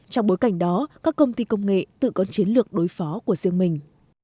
trong bối cảnh đó các công ty công nghệ tự có chiến lược đối phó của riêng mình